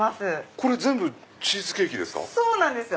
これ全部チーズケーキですか？